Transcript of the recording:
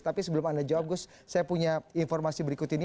tapi sebelum anda jawab gus saya punya informasi berikut ini